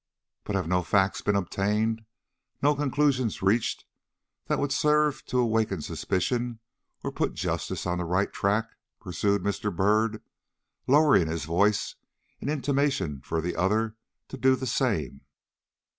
"But have no facts been obtained, no conclusions reached, that would serve to awaken suspicion or put justice on the right track?" pursued Mr. Byrd, lowering his voice in intimation for the other to do the same.